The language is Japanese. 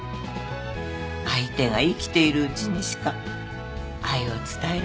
相手が生きているうちにしか愛を伝えられないんだから。